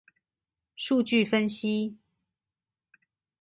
數據分析